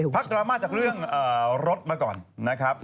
ดราม่าจากเรื่องรถมาก่อนนะครับ